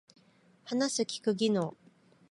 話す聞く技能